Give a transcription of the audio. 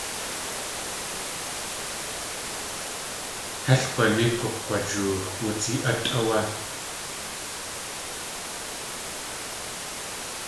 Hél g̲unéi kakg̲wajoox wudzi.átʼ áwé.